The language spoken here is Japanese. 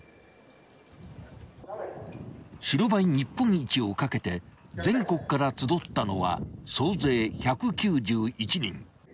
［白バイ日本一をかけて全国から集ったのは総勢１９１人］